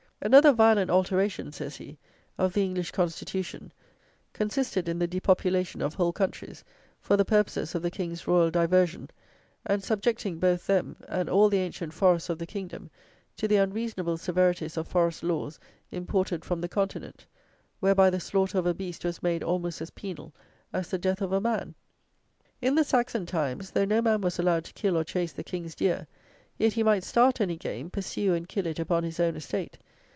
"Another violent alteration," says he, "of the English Constitution consisted in the depopulation of whole countries, for the purposes of the King's royal diversion; and subjecting both them, and all the ancient forests of the kingdom, to the unreasonable severities of forest laws imported from the continent, whereby the slaughter of a beast was made almost as penal as the death of a man. In the Saxon times, though no man was allowed to kill or chase the King's deer, yet he might start any game, pursue and kill it upon his own estate.